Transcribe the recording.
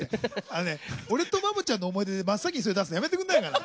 あのね俺とマモちゃんの思い出で真っ先にそれ出すのやめてくれないかな？